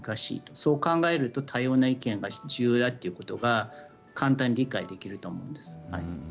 そう考えれば、多様な意見が必要だということが簡単に理解できると思います。